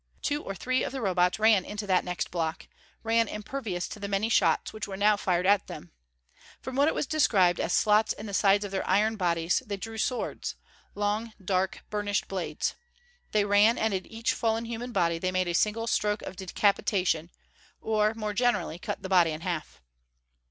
Two or three of the Robots ran into that next block ran impervious to the many shots which now were fired at them. From what was described as slots in the sides of their iron bodies they drew swords long, dark, burnished blades. They ran, and at each fallen human body they made a single stroke of decapitation, or, more generally, cut the body in half.